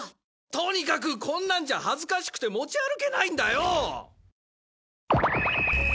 とにかくこんなんじゃ恥ずかしくて持ち歩けないんだよ！